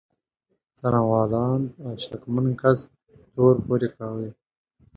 څارنوالان په شکمن کس تور پورې کوي.